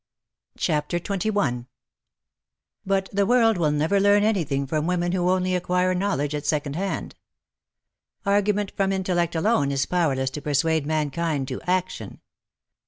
CHAPTER XXI But the world will never learn anything from women who only acquire knowledge at second hand. Argument from intellect alone is powerless to persuade mankind to action.